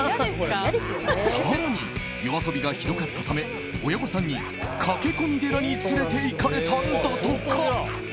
更に、夜遊びがひどかったため親御さんに、駆け込み寺に連れていかれたんだとか。